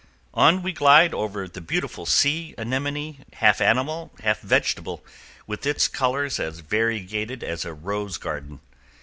On we glide over the beautiful sea anemone, half animal, half vegetable, with its colors as variegated as a rose garden.